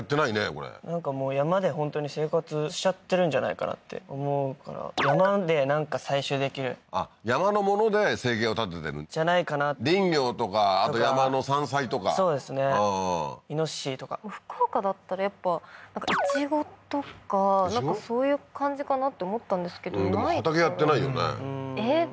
これなんかもう山で本当に生活しちゃってるんじゃないかなって思うから山でなんか採集できるあっ山のもので生計を立ててる？じゃないかな林業とかあと山の山菜とかそうですねイノシシとか福岡だったらやっぱイチゴとかなんかそういう感じかなって思ったんですけどないからでも畑やってないよねえっ？